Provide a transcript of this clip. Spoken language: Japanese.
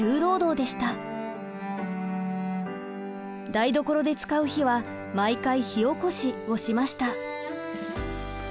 台所で使う火は毎回火おこしをしました。